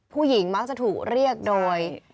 ผู้หญิงมักจะถูกเรียกโดย